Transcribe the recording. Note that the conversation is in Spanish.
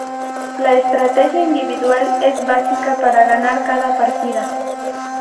La estrategia individual es básica para ganar cada partida.